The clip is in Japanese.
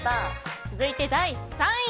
続いて第３位。